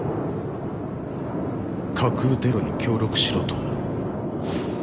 架空テロに協力しろと。